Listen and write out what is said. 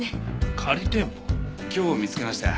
今日見つけました。